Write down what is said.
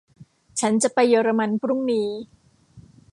ฉันจะไปเยอรมันพรุ่งนี้